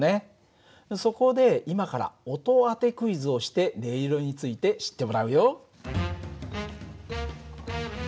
そこで今から音当てクイズをして音色について知ってもらうよ。